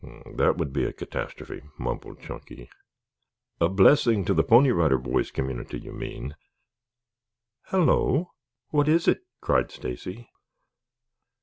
"That would be a catastrophe," mumbled Chunky. "A blessing to the Pony Rider Boys community, you mean. Hello!" "What is it?" cried Stacy.